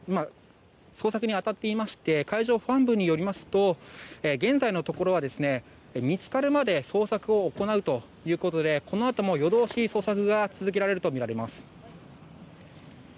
先ほど申し上げたとおり巡視船６隻が捜索に当たっていまして海上保安部によりますと現在のところ、見つかるまで捜索を行うということでこのあとも夜通し捜索が続けられるとみられます。